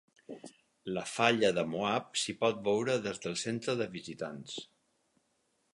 La Falla de Moab s'hi pot veure des del centre de visitants.